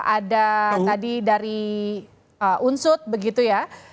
ada tadi dari unsut begitu ya